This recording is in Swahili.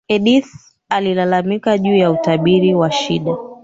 edith alilalamika juu ya utabiri wa shida